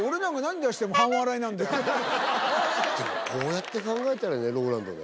でもこうやって考えたらＲＯＬＡＮＤね。